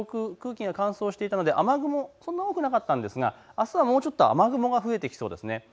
きょうは上空、空気が乾燥していたので雨雲多くなかったんですがあすはもうちょっと増えてきそうです。